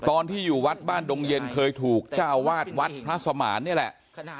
ตอนที่อยู่วัดบ้านดงเย็นเคยถูกเจ้าวาดวัดพระสมานนี่แหละ